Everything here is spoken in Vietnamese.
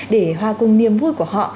để hòa cùng niềm vui của họ